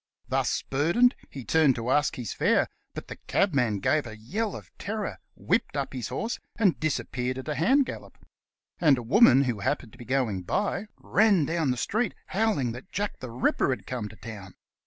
Thus burdened he turned to ask his fare, but the cabman gave a yell of terror, whipped up his horse, and disappeared at a hand gallop; and a woman who happened to be going by, ran down the street, howling that Jack the Ripper had come to town.